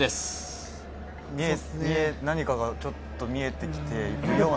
何かがちょっと見えてきているような。